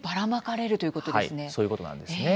はいそういうことなんですね。